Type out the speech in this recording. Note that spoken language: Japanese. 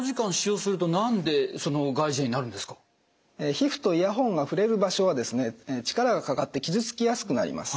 皮膚とイヤホンが触れる場所は力がかかって傷つきやすくなります。